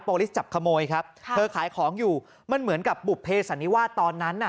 ลิสจับขโมยครับค่ะเธอขายของอยู่มันเหมือนกับบุภเพสันนิวาสตอนนั้นน่ะ